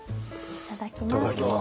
いただきます。